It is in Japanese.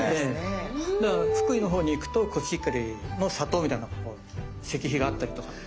だから福井のほうに行くとコシヒカリの里みたいな石碑があったりとか。